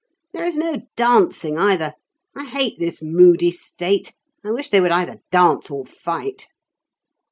There is no dancing either. I hate this moody state. I wish they would either dance or fight."